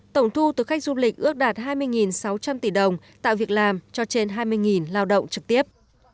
tổng thu từ khách du lịch ước đạt hai mươi sáu trăm linh tỷ đồng tạo việc làm cho trên hai mươi lao động trực tiếp